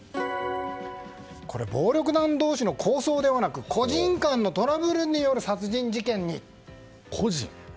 暴力団同士の抗争ではなく個人間のトラブルによる殺人事件に。